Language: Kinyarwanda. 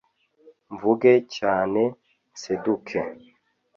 Mvuge cyane nseduke